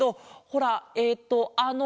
ほらえっとあの。